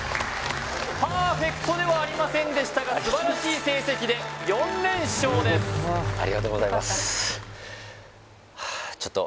パーフェクトではありませんでしたが素晴らしい成績で４連勝ですはあ